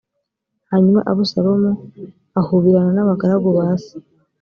hanyuma abusalomu ahubirana n abagaragu ba se